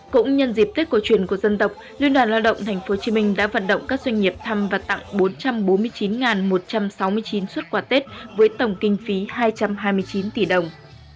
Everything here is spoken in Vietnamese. cũng nhân dịp tết cổ truyền của dân tộc liên đoàn lao động tp hcm đã vận động các doanh nghiệp thăm và tặng bốn trăm bốn mươi chín một trăm sáu mươi chín xuất quà tết với tổng kinh phí hai trăm hai mươi chín tỷ đồng